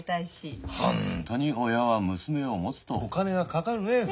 ホントに親は娘を持つとお金がかかるねえ。